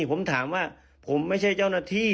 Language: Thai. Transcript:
ผมถามว่าผมไม่ใช่เจ้าหน้าที่